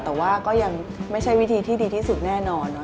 แต่ว่าก็ยังไม่ใช่วิธีที่ดีที่สุดแน่นอน